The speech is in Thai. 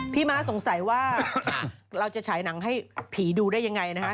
ม้าสงสัยว่าเราจะฉายหนังให้ผีดูได้ยังไงนะฮะ